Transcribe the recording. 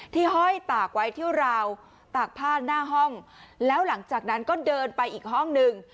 ห้อยตากไว้ที่ราวตากผ้าหน้าห้องแล้วหลังจากนั้นก็เดินไปอีกห้องหนึ่ง